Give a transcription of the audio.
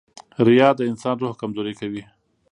• ریا د انسان روح کمزوری کوي.